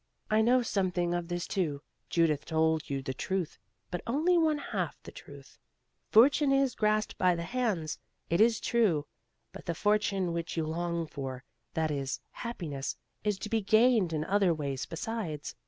"I know something of this too. Judith told you the truth, but only one half the truth. Fortune is grasped by the hands, it is true; but the Fortune which you long for, that is, Happiness, is to be gained in other ways besides.